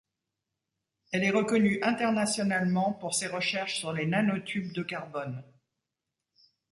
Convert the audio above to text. Elle est reconnue internationalement pour ses recherches sur les nanotubes de carbone.